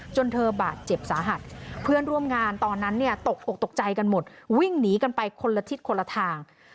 จนเธอบาดเจ็บสาหัสเพื่อนร่วมงานตอนนั้นเนี่ยตกอกตกใจกันหมดวิ่งหนีกันไปคนละทิศคนละทาง